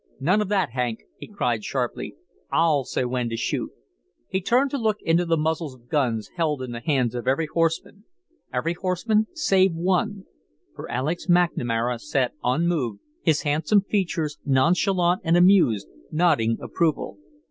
"None of that, Hank!" he cried, sharply. "I'll say when to shoot." He turned to look into the muzzles of guns held in the hands of every horseman every horseman save one, for Alec McNamara sat unmoved, his handsome features, nonchalant and amused, nodding approval.